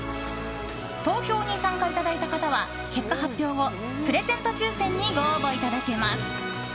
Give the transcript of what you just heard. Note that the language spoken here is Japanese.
投票に参加いただいた方は結果発表後プレゼント抽選にご応募いただけます。